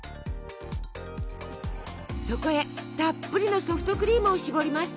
そこへたっぷりのソフトクリームをしぼります。